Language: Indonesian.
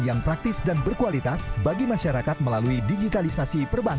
yang praktis dan berkualitas bagi masyarakat melalui digitalisasi perbankan